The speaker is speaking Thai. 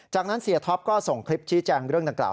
จากนั้นเสียท็อปก็ส่งคลิปชี้แจงเรื่องดังกล่า